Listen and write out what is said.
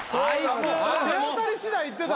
手当たり次第いってた。